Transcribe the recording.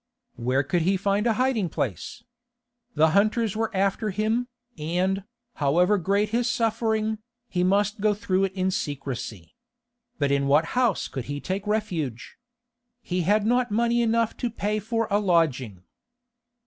Where could he find a hiding place? The hunters were after him, and, however great his suffering, he must go through it in secrecy. But in what house could he take refuge? He had not money enough to pay for a lodging.